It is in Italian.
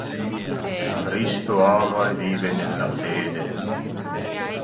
Cristo ama e vive nella fede.